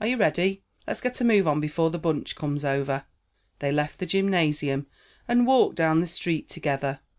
"Are you ready? Let's get a move on before the bunch comes over." They left the gymnasium, and walked down the street together.